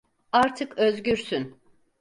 Artık özgürsün.